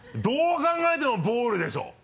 どう考えてもボールでしょ！